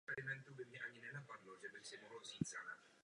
Na východě jeho moc dosahovala až k hranicím Koreje.